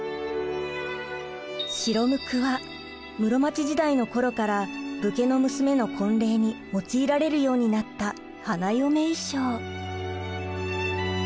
白むくは室町時代の頃から武家の娘の婚礼に用いられるようになった花嫁衣装。